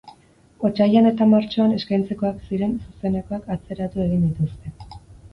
Otsailean eta martxoan eskaintzekoak ziren zuzenekoak atzeratu egin dituzte.